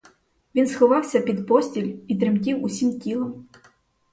Він сховався під постіль і тремтів усім тілом.